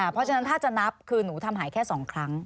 เพราะฉะนั้นถ้าจะนับคือหนูทำหายแค่๒ครั้ง